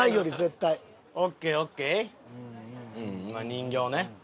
人形ね。